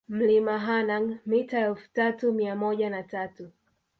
Mlima Hanang mita elfu tatu mia moja na tatu